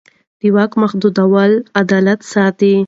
د واک محدودول عدالت ساتي